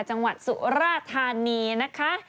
จังหวัดสุราธานีนะคะ